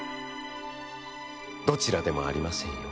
「どちらでもありませんよ。